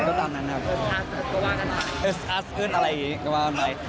ต้องเสียงตามนั้น